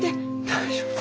大丈夫。